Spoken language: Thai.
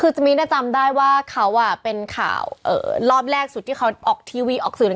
คือจะมีนจำได้ว่าเขาเป็นข่าวรอบแรกสุดที่เขาออกทีวีออกสื่อ